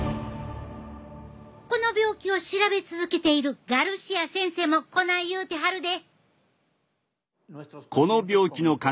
この病気を調べ続けているガルシア先生もこない言うてはるで。